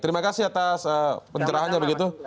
terima kasih atas pencerahannya begitu